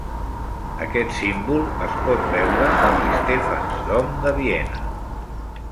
Aquest símbol es pot veure a l'Stephansdom de Viena.